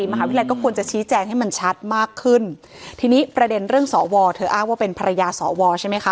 มหาวิทยาลัยก็ควรจะชี้แจงให้มันชัดมากขึ้นทีนี้ประเด็นเรื่องสวเธออ้างว่าเป็นภรรยาสอวอใช่ไหมคะ